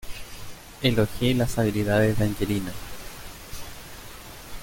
Elogié las habilidades de angelina.